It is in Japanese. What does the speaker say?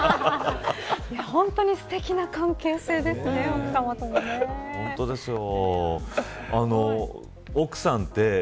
本当にすてきな関係性ですね奥さまともね。